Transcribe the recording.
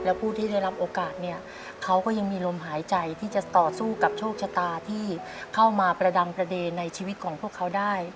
และผู้ที่ได้รับโอกาสเนี่ยเขาก็ยังมีลมหายใจที่จะต่อสู้กับโชคชะตาที่เข้ามาประดังประเด็นในชีวิตของพวกเขาได้